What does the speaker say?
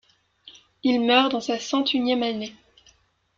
Ill meurt dans sa cent-unième année.